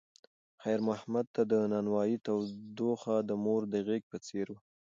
خیر محمد ته د نانوایۍ تودوخه د مور د غېږې په څېر وه.